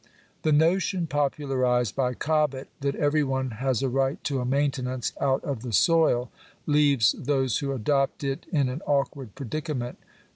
The notion popularized by Cobbett, that every one has a right to a maintenance out of the soil, leaves those who adopt it in an awkward predicament.